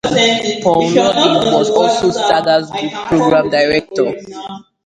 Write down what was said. Paul Robey was also Saga's Group Programme Director.